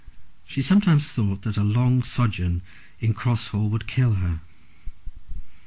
She sometimes thought that a long sojourn at Cross Hall would kill her.